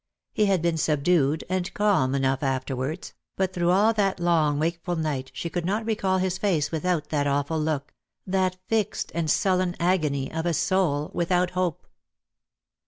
He had been subdued and calm enough afterwards, but through all that long wakeful night she could not recall his face without that awful look, that fixed and sullen agony of a soul without hope.